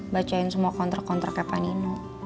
bacain semua kontrak kontraknya pak nino